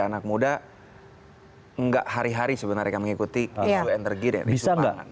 anak muda nggak hari hari sebenarnya yang mengikuti isu energi dari pangan